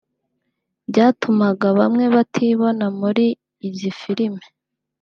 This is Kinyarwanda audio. byatumaga bamwe batibona muri izi filime